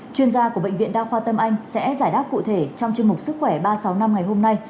chuyên gia của bệnh viện đa khoa tâm anh sẽ giải đáp cụ thể trong chương mục sức khỏe ba trăm sáu mươi năm ngày hôm nay